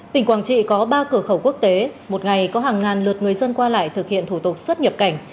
tỉnh quảng trị có ba cửa khẩu quốc tế một ngày có hàng ngàn lượt người dân qua lại thực hiện thủ tục xuất nhập cảnh